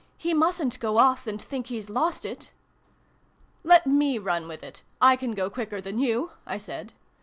" He mustn't go off, and think he's lost it !"" Let me run with it ! I can go quicker than you !" I said.